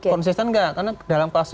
konsisten gak karena dalam